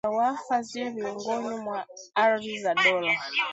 za waqf ziwe miongoni mwa ardhi za dola